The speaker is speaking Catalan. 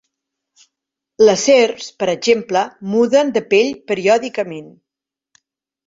Les serps, per exemple, muden de pell periòdicament.